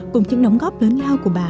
cùng những đóng góp lớn lao của bà